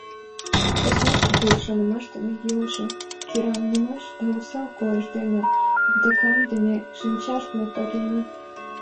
Поснак кугу шонымаш дене йӱлышӧ, кӧранымаш да осал койыш дене вудакаҥдыме шинчашт мотор лийын.